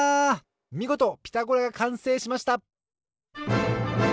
みごと「ピタゴラ」がかんせいしました！